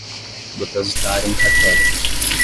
depositar em cartório